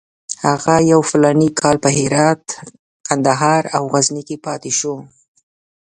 هغه یو فلاني کال په هرات، کندهار او غزني کې پاتې شو.